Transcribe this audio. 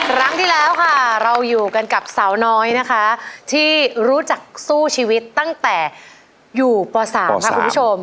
ครั้งที่แล้วค่ะเราอยู่กันกับสาวน้อยนะคะที่รู้จักสู้ชีวิตตั้งแต่อยู่ป๓ค่ะคุณผู้ชม